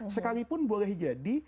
sekalipun boleh jadi